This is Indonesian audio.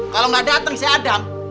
kalau gak datang isi adam